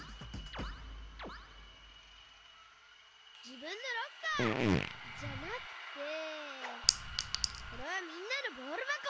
じぶんのロッカー！じゃなくてこれはみんなのボールばこ！